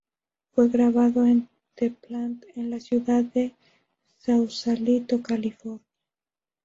Fue grabado en The Plant, en la ciudad de Sausalito, California.